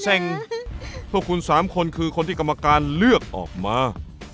แห่งพวกคุณ๓คนคือคนที่กรรมการเลือกออกมา